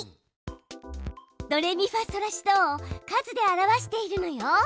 ドレミファソラシドを数で表しているのよ。